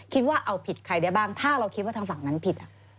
คิดว่าเอาผิดใครได้บ้างถ้าเราคิดว่าทางฝั่งนั้นผิด